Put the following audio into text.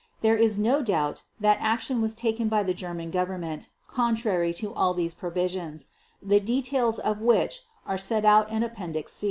There is no doubt that action was taken by the German Government contrary to all these provisions, the details of which are set out in Appendix C.